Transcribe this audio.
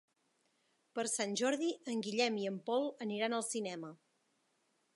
Per Sant Jordi en Guillem i en Pol aniran al cinema.